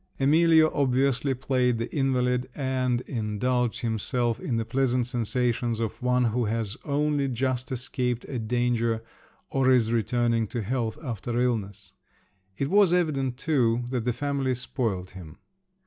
Emilio, obviously, played the invalid and indulged himself in the pleasant sensations of one who has only just escaped a danger or is returning to health after illness; it was evident, too, that the family spoiled him.